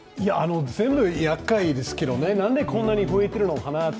全部やっかいですけど、何でこんなに増えているのかなと。